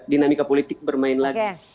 dinamika politik bermain lagi